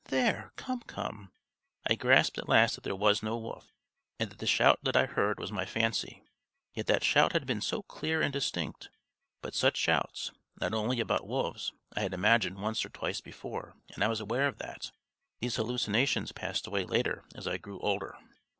There; come, come!" I grasped at last that there was no wolf, and that the shout that I had heard was my fancy. Yet that shout had been so clear and distinct, but such shouts (not only about wolves) I had imagined once or twice before, and I was aware of that. (These hallucinations passed away later as I grew older.)